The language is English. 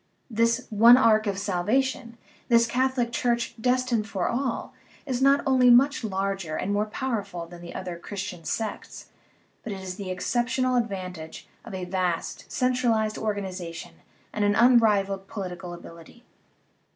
This "one ark of salvation," this Catholic Church " destined for all," is not only much larger and more powerful than the other Christian sects, but it has the exceptional advantage of a vast, centralized organiza tion and an unrivalled political ability.